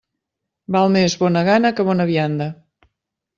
Val més bona gana que bona vianda.